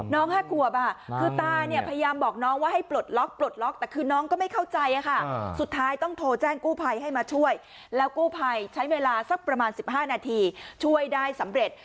๕ขวบคือตาเนี่ยพยายามบอกน้องว่าให้ปลดล็อกปลดล็อกแต่คือน้องก็ไม่เข้าใจค่ะสุดท้ายต้องโทรแจ้งกู้ภัยให้มาช่วยแล้วกู้ภัยใช้เวลาสักประมาณ๑๕นาทีช่วยได้สำเร็จ